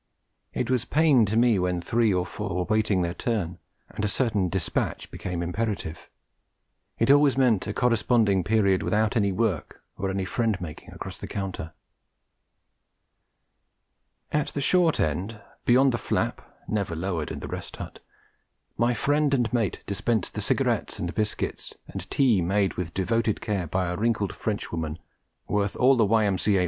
It was pain to me when three or four were waiting their turn, and a certain despatch became imperative; it always meant a corresponding period without any work or any friend making across the counter. At the short end, beyond the flap (never lowered in the Rest Hut), my friend and mate dispensed the cigarettes and biscuits, and tea made with devoted care by a wrinkled Frenchwoman worth all the Y.M.C.A.